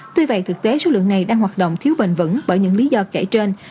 tuy vậy thực tế số lượng này đang hoạt động thiếu bền vững bởi những lý do kể trên